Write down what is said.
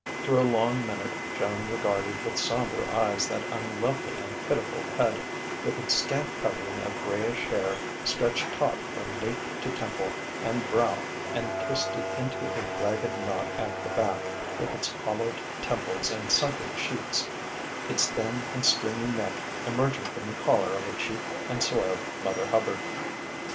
Through a long minute Joan regarded with sombre eyes that unlovely and pitiful head, with its scant covering of greyish hair stretched taut from nape to temple and brow and twisted into a ragged knot at the back, with its hollowed temples and sunken cheeks, its thin and stringy neck emerging from the collar of a cheap and soiled Mother Hubbard.